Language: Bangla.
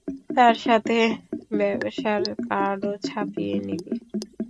আর সাথে ব্যবসার কার্ডও ছাপিয়ে নিবি।